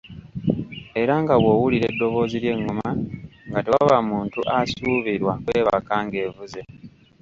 Era nga bw'owulira eddoboozi ly'engoma, nga tewaba muntu asuubirwa kwebaka ng'evuze.